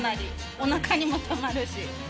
おなかにもたまるし。